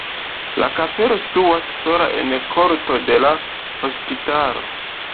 La kapelo situas sola en korto de la hospitalo.